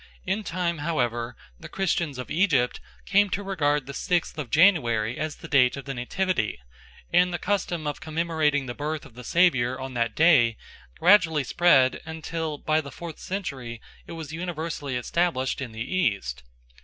In time, however, the Christians of Egypt came to regard the sixth of January as the date of the Nativity, and the custom of commemorating the birth of the Saviour on that day gradually spread until by the fourth century it was universally established in the East.